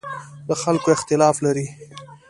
له خلکو اختلاف لري.